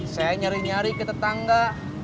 saya nyari nyari ke tetangga